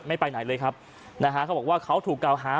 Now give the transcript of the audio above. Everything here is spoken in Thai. ไปไหนเลยครับนะฮะเขาบอกว่าเขาถูกกล่าวหา